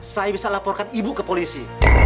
saya bisa laporkan ibu ke polisi